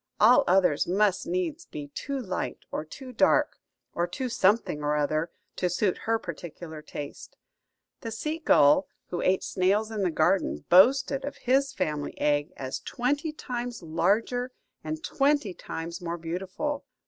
All others must needs be too light or too dark, or too something or other, to suit her particular taste. The sea gull, who ate snails in the garden, boasted of his family egg as twenty times larger and twenty times more beautiful.